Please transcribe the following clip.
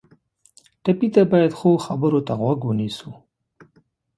ټپي ته باید ښو خبرو ته غوږ ونیسو.